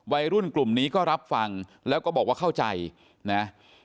วัยรุ่นกลุ่มนี้ก็รับฟังแล้วก็บอกว่าเข้าใจนะ